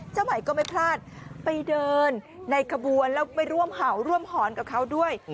ใหม่ก็ไม่พลาดไปเดินในขบวนแล้วไปร่วมเห่าร่วมหอนกับเขาด้วย